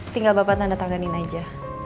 tinggal bapak tanda tanganin aja